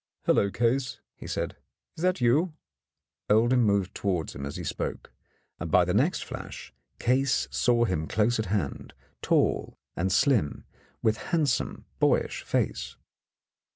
"Hullo, Case," he said, "is that you ?" Oldham moved towards him as he spoke, and by the next flash Case saw him close at hand, tall and slim, with handsome, boyish face.